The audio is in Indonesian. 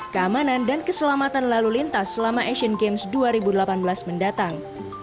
keamanan dan keselamatan lalu lintas selama asian games dua ribu delapan belas mendatang